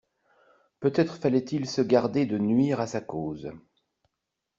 Peut-être fallait-il se garder de nuire à sa cause.